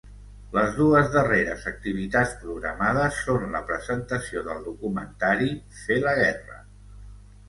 Les dues darreres activitats programades són la presentació del documentari Fer la guerra.